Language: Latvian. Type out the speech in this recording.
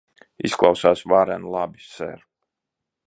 Izklausās varen labi, ser.